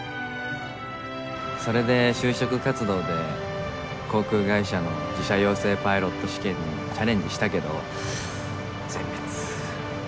それで就職活動で航空会社の自社養成パイロット試験にチャレンジしたけど全滅。